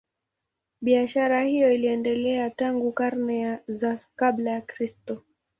Biashara hiyo iliendelea tangu karne za kabla ya Kristo.